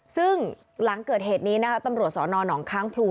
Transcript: ซึ่งหลังเกิดเหตุนี้นะคะตำรวจสอนอนองค้างพลู